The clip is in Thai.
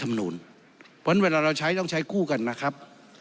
เพราะฉะนั้นเวลาเราใช้ต้องใช้คู่กันนะครับ